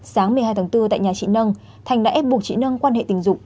sáng một mươi hai tháng bốn tại nhà chị nâng thành đã ép buộc chị nâng quan hệ tình dục